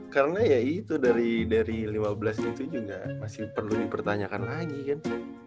karena ya itu dari lima belas itu juga masih perlu dipertanyakan lagi kan